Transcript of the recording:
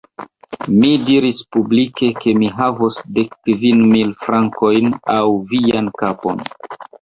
Mi diris publike, ke mi havos dek kvin mil frankojn aŭ vian kapon.